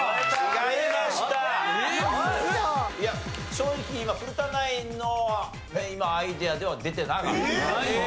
正直古田ナインの今のアイデアでは出てなかった。